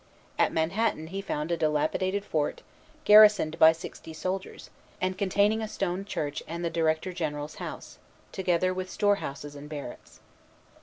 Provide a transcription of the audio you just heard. At Manhattan he found a dilapidated fort, garrisoned by sixty soldiers, and containing a stone church and the Director General's house, together with storehouses and barracks.